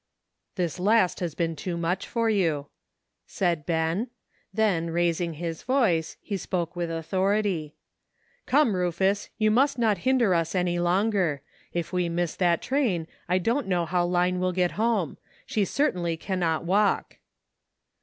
" This last has been too much for you," said Ben. Then, raising his voice, he spoke with authority. "Come, Rufus, you must not hinder us any longer. If we miss that train I don't know how Line will get home. She certainly cannot walk."